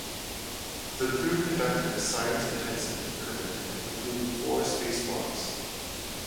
The crew conducted a science-intensive increment and completed four spacewalks.